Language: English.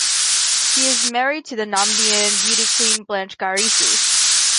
He is married to Namibian beauty queen Blanche Garises.